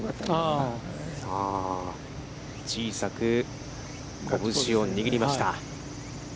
小さく拳を握りました。